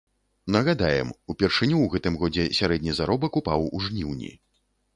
Нагадаем, упершыню ў гэтым годзе сярэдні заробак упаў у жніўні.